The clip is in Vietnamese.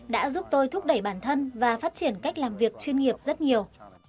đã giúp tôi thúc đẩy bản thân và phát triển cách làm việc chuyên nghiệp rất nhiều